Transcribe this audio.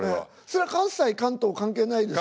それは関西関東関係ないですよ。